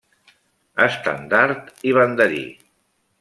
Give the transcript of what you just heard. Estendard i banderí.